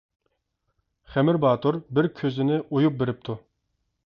خېمىر باتۇر بىر كۆزىنى ئۇيۇپ بېرىپتۇ.